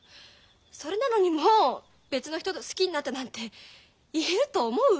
それなのにもう別の人好きになったなんて言えると思う？